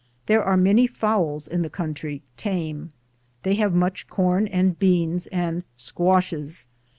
There are many fowls in the country, tame. They have much corn and beans and melons [squashes]